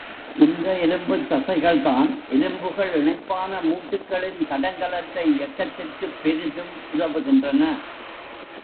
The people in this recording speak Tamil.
இந்த எலும்புத் தசைகள் தான் எலும்புகள் இணைப்பான மூட்டுக்களின் தடங்கலற்ற இயக்கத்திற்குப் பெரிதும் உதவுகின்றன.